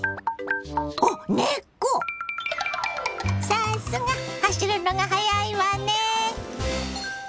さすが走るのが速いわね。